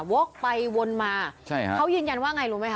วอกไปวนมาเขายืนยันว่าไงรู้ไหมคะ